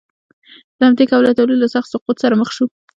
له همدې کبله تولید له سخت سقوط سره مخ شو